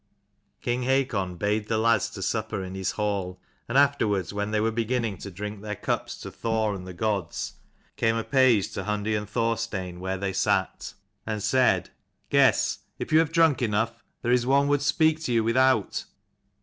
King Hakon bade the lads to supper in his hall ; and afterwards, when they were beginning to drink their cups to Thor and the gods, came a page to Hundi and Thorstein where they sat, 187 and said, " Guests, if you have drunk enough, there is one would speak to you without."